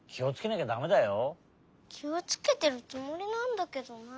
きをつけてるつもりなんだけどなあ。